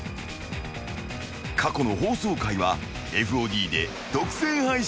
［過去の放送回はＦＯＤで独占配信中］